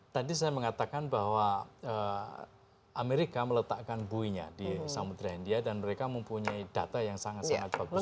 tadi saya mengatakan bahwa amerika meletakkan buinya di samudera india dan mereka mempunyai data yang sangat sangat bagus